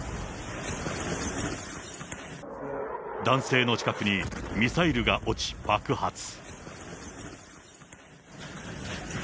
男性の近くにミサイルが落ち、爆発。